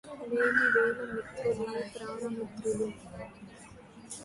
లేమివేళ మిత్రులే ప్రాణమిత్రులు